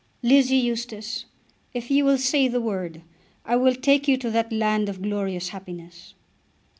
Lizzie Eustace, if you will say the word, I will take you to that land of glorious happiness."